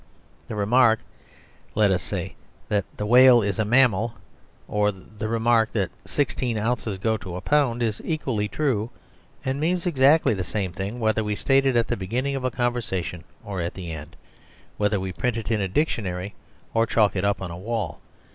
The remark, let us say, that the whale is a mammal, or the remark that sixteen ounces go to a pound, is equally true, and means exactly the same thing, whether we state it at the beginning of a conversation or at the end, whether we print it in a dictionary or chalk it up on a wall.